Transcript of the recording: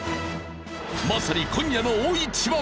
まさに今夜の大一番！